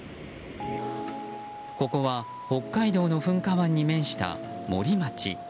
ここは北海道の噴火湾に面した森町。